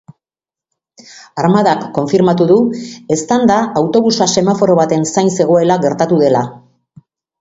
Armadak konfirmatu du eztanda autobusa semaforo baten zain zegoela gertatu dela.